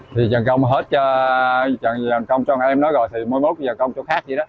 thì dần công hết cho dần công cho em đó rồi thì mỗi mốt dần công cho khác vậy đó